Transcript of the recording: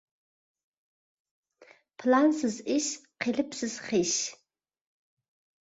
پىلانسىز ئىش، قېلىپسىز خىش.